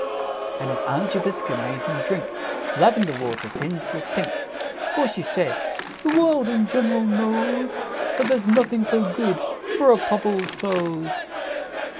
And his Aunt Jobiska made him drink Lavender water tinged with pink; For she said, "The World in general knows There's nothing so good for a Pobble's toes!"